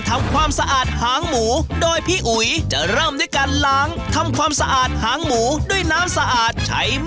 ถ่ายดีตรงแบบนี้เอางี้เลยไหม